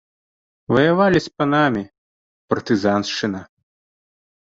Ваявалі з панамі, партызаншчына.